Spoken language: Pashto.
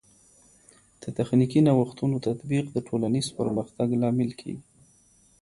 د تخنیکي نوښتونو تطبیق د ټولنیز پرمختګ لامل کیږي.